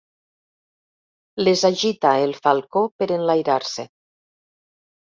Les agita el falcó per enlairar-se.